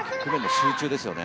集中ですよね。